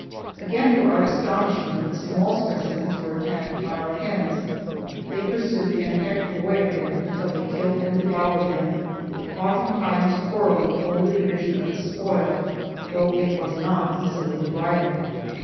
Again, to our astonishment, the small specimens were attacked by our hens. They pursued and pecked away at them until they killed and devoured them, oftentimes quarreling over the division of the spoil, though it was not easily divided.